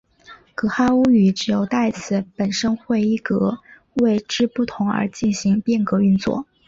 噶哈巫语只有代词本身会依格位之不同而进行变格运作。